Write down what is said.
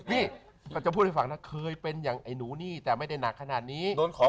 นี่ก็จะพูดให้ฟังนะเคยเป็นอย่างไอ้หนูนี่แต่ไม่ได้หนักขนาดนี้